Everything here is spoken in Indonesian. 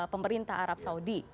pemerintah arab saudi